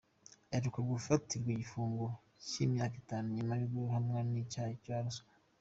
Aheruka gukatirwa igifungo cy’imyaka itanu nyuma yo guhamwa n’ibyaha bya ruswa.